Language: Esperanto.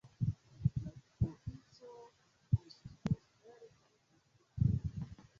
La provinco konsistas el tri distriktoj.